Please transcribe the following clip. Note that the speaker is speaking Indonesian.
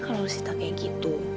kalau sita kayak gitu